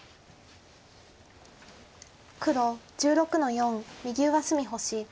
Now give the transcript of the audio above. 黒１６の四右上隅星。